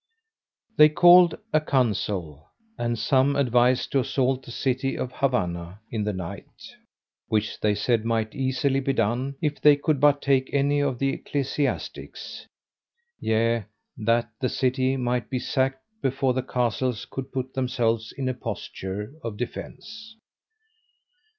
They called a council, and some advised to assault the city of Havanna in the night, which they said might easily be done, if they could but take any of the ecclesiastics; yea, that the city might be sacked before the castles could put themselves in a posture of defence.